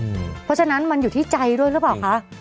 เพราะฉะนั้นมันอยู่ที่ใจด้วยหรือเปล่าคะ